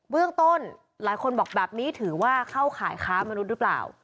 เรื่องต้นหลายคนบอกแบบนี้ถือว่าเข้าข่ายค้ามนุษย์หรือเปล่า